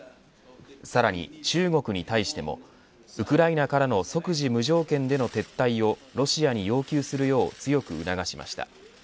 さらに中国に対してもウクライナからの即時無条件での撤退をロシアに要求するよう強く促しました。